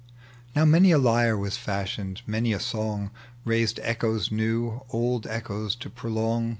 Now many a IjTe was fashioned, many a song liaised echoes new, old echoes to prolong.